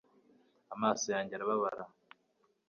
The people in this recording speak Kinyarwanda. amaso yanjye arababara